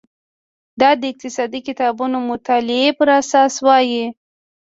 دا د اقتصادي کتابونو د مطالعې پر اساس وای.